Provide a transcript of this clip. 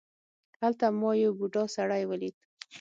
هلته ما یو بوډا سړی ولید.